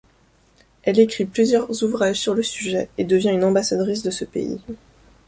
Elle écrit plusieurs ouvrages sur le sujet et devient une ambassadrice de ce pays.